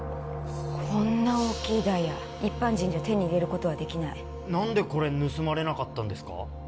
こんな大きいダイヤ一般人じゃ手に入れることはできない何でこれ盗まれなかったんですか？